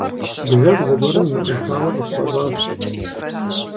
Бжэр зыгуэрым ныӀуихауэ къысфӀэщӀащ.